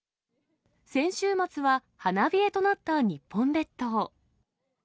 先週末は花冷えとなった日本列島。